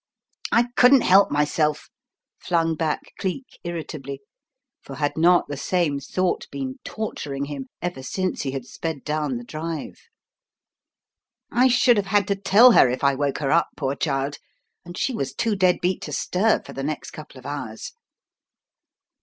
"I couldn't help myself," flung back Cleek irritably, for had not the same thought been torturing him ever since he had sped down the drive? "I should have had to tell her if I woke her up, poor child, and she was too dead beat to stir for the next couple of hours."